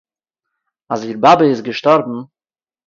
אַז איר באַבע איז געשטאָרבן